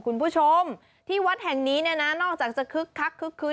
คุณผู้ชมที่วัดแห่งนี้เนี่ยนะนอกจากจะคึกคักคึกคืน